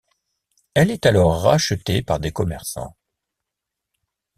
Elle est alors rachetée par des commerçants.